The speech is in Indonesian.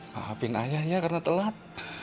maafin ayah ya karena telat